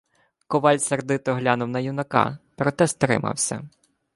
Коваль сердито глянув на юнака, проте стримався: